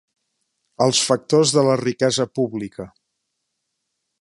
Els factors de la riquesa pública.